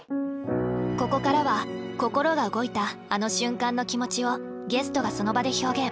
ここからは心が動いたあの瞬間の気持ちをゲストがその場で表現。